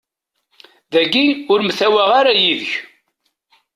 Dagi ur mwataɣ ara yid-k.